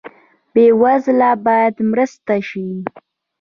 بې وزله باید مرسته شي